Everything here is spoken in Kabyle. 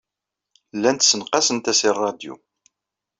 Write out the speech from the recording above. Llant ssenqasent-as i ṛṛadyu.